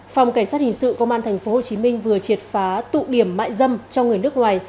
phòng cảnh sát hình sự công an tp hcm vừa triệt phá tụ điểm mại dâm cho người nước ngoài